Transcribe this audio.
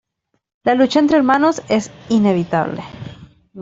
La lucha entre hermanos es inevitable.